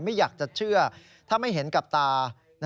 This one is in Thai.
ไม่อยากจะเชื่อถ้าไม่เห็นกับตา